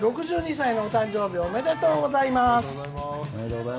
６２歳のお誕生日おめでとうございます！